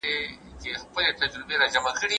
علامه رشاد اکاډيمي د کندهار ښار، د سردار مدد